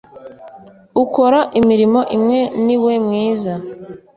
ukora imirimo imwe niwe mwiza